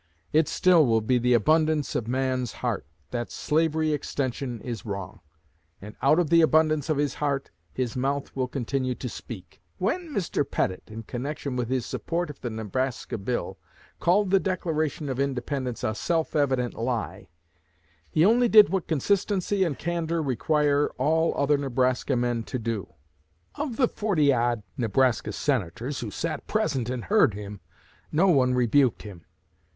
It still will be the abundance of man's heart, that slavery extension is wrong; and out of the abundance of his heart, his mouth will continue to speak.... When Mr. Pettit, in connection with his support of the Nebraska Bill, called the Declaration of Independence 'a self evident lie,' he only did what consistency and candor require all other Nebraska men to do. Of the forty odd Nebraska Senators who sat present and heard him, no one rebuked him....